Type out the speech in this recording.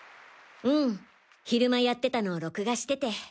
うん昼間やってたのを録画してて。